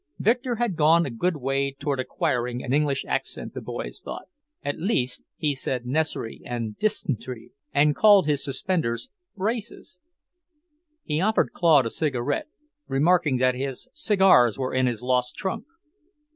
Victor had gone a good way toward acquiring an English accent, the boys thought. At least he said 'necess'ry' and 'dysent'ry' and called his suspenders 'braces'. He offered Claude a cigarette, remarking that his cigars were in his lost trunk.